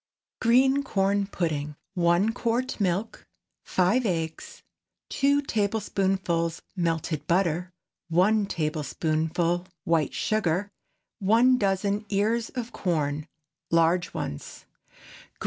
GREEN CORN PUDDING. ✠ 1 quart milk. 5 eggs. 2 tablespoonfuls melted butter. 1 tablespoonful white sugar. 1 dozen ears of corn—large ones.